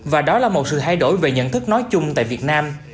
và đó là một sự thay đổi về nhận thức nói chung tại việt nam